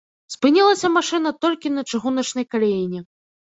Спынілася машына толькі на чыгуначнай каляіне.